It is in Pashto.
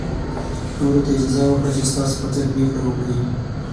نورو ته اجازه ورکړئ چې ستاسو پر ځای پرېکړه وکړي.